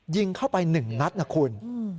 ยิงเข้าไปหนึ่งนัดนะครับคุณ